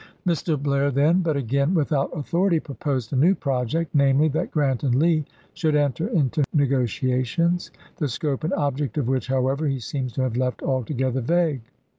Mr. Blair then, but again without authority, proposed a new project, namely, that Grant and Lee should enter into negotiations, the scope and object of which, however, he seems to have left altogether vague.